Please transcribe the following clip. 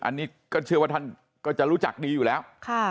อันนี้ก็เชื่อว่าท่านก็จะรู้จักดีอยู่แล้ว